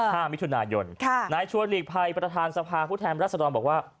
ห้ามิถุนายนนายชัวร์หลีกภัยประทานสภาคุณแทนรัฐศรรย์บอกว่า